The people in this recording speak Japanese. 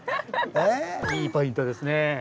いいポイントですね。